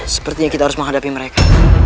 sepertinya kita harus menghadapi mereka